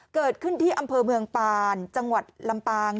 เกิดขึ้นที่อำเภอเมืองปานจังหวัดลำปาง